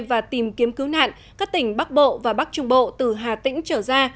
và tìm kiếm cứu nạn các tỉnh bắc bộ và bắc trung bộ từ hà tĩnh trở ra